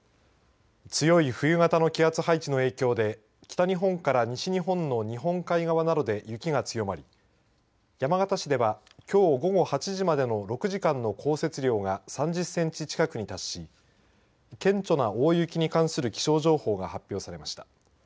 強い冬型の気圧配置の影響で北日本から西日本の日本海側などで雪が強まり、山形市ではきょう午後８時までの６時間の降雪量が３０センチ近くに達し顕著な大雪に関する気象情報が発表されました。